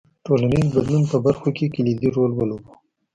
ټولنیز بدلون په برخو کې کلیدي رول ولوباوه.